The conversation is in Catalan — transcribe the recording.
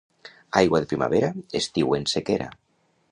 Aigua de primavera, estiu en sequera.